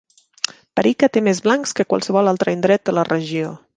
Parika té més bancs que qualsevol altre indret de la regió.